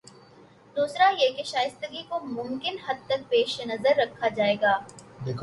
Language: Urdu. دوسرا یہ کہ شائستگی کو ممکن حد تک پیش نظر رکھا جائے گا۔